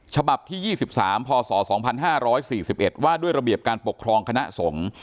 ฉบับที่๒๓พศ๒๕๔๑ว่าด้วยระเบียบการปกครองคณะสงฆ์